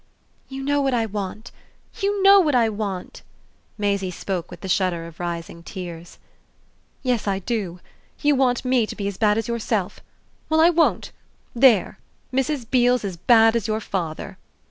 "You know what I want, you know what I want!" Maisie spoke with the shudder of rising tears. "Yes, I do; you want me to be as bad as yourself! Well, I won't. There! Mrs. Beale's as bad as your father!"